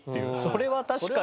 「それは確かに」。